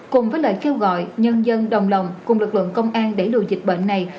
cùng với lời kêu gọi nhân dân đồng lòng cùng lực lượng công an đẩy lùi dịch bệnh này